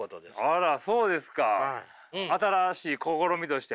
あらそうですか！